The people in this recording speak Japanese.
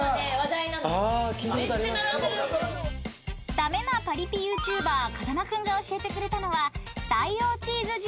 ［駄目なパリピＹｏｕＴｕｂｅｒ風間君が教えてくれたのは］